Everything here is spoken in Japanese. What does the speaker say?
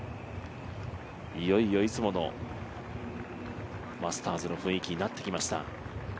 いよいよいつものマスターズの雰囲気になってきました。